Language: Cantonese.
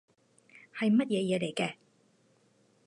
係乜嘢嘢嚟嘅